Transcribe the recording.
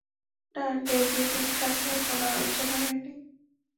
না, ডেভলিনের সাথে কোন আলোচনা হয়নি।